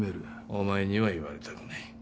お前には言われたくない。